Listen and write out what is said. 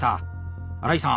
荒井さん